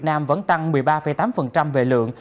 nam vẫn tăng một mươi ba tám về lượng